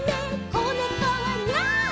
こねこはニャー」